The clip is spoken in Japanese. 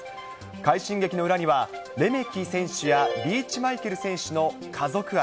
快進撃の裏には、レメキ選手やリーチマイケル選手の家族愛。